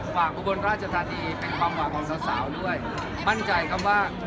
อุบลราชธานีเป็นความหวังของสาวด้วยมั่นใจครับว่า